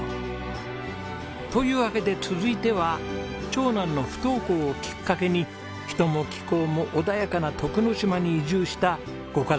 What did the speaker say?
というわけで続いては長男の不登校をきっかけに人も気候も穏やかな徳之島に移住したご家族のお話です。